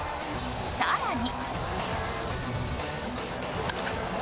更に。